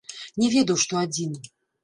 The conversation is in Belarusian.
Не ведаў, што адзін.